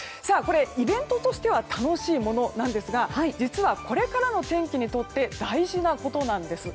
イベントとしては楽しいものなんですが実はこれからの天気にとって大事なことなんです。